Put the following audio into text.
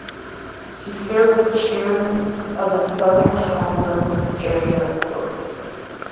He served as Chairman of the Southern Highlands Area Authority.